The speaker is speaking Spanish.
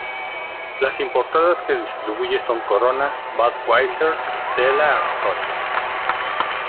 Las importadas que distribuye son Corona, Budweiser y Stella Artois.